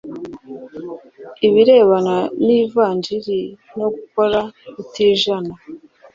ibirebana n' ivanjili no gokora utijana.